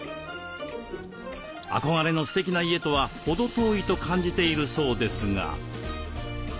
憧れのステキな家とは程遠いと感じているそうですが。